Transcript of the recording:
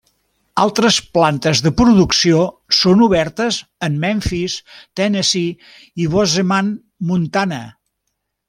Altres plantes de producció són obertes en Memphis, Tennessee i Bozeman, Montana.